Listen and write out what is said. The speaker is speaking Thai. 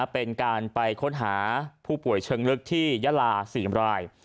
เป็นการไปค้นหาผู้ป่วยเชิงลึกที่ยาลา๔ราย